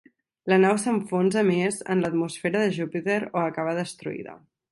La nau s'enfonsa més en l'atmosfera de Júpiter o acaba destruïda.